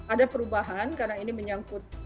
ada perubahan karena ini menyangkut